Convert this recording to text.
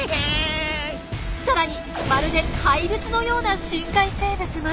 さらにまるで怪物のような深海生物まで。